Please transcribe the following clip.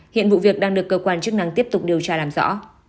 hiện vụ việc đang được cơ quan chức năng tiếp tục điều tra làm rõ